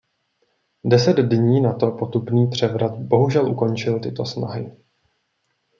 Deset dní nato potupný převrat bohužel ukončil tyto snahy.